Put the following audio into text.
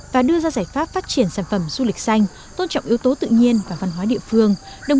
và đưa ra giải pháp phát triển sản phẩm du lịch xanh tôn trọng yếu tố tự nhiên và văn hóa địa phương